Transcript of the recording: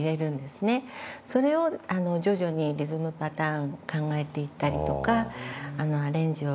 それを徐々にリズムパターン考えていったりとか。